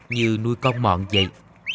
như nuôi con mọn vậy